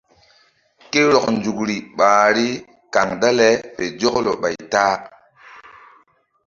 Ke rɔk nzukri ɓahri kaŋ dale fe zɔklɔ ɓay ta-a.